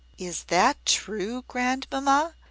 "Is that true, grandmamma?"